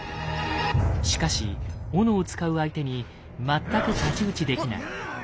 しかし斧を使う相手に全く太刀打ちできない。